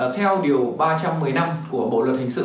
theo điều ba trăm một mươi năm của bộ luật hình sự